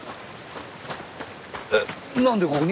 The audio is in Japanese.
えっなんでここに？